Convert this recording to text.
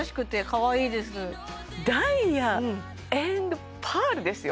ダイヤアンドパールですよ？